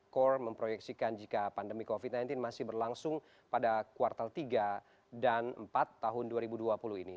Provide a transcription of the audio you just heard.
core memproyeksikan jika pandemi covid sembilan belas masih berlangsung pada kuartal tiga dan empat tahun dua ribu dua puluh ini